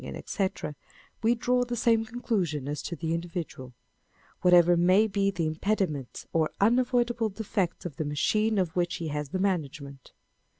&c, wTe draw the same conclusion as to the individual, â€" whatever may be the impediments or unavoidable defects in the machine of which he has the management.